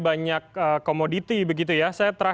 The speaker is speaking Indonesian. banyak komoditi begitu ya